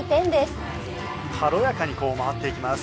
軽やかにこう回っていきます。